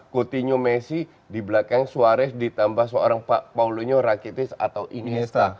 coutinho messi di belakang suarez ditambah seorang paulinho rakitic atau iniesta